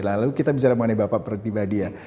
lalu kita bisa ramai ramai bapak peribadi ya